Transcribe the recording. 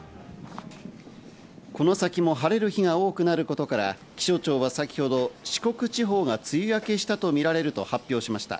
この先も晴れる日が多くなることから、気象庁は先ほど四国地方が梅雨明けしたとみられると発表しました。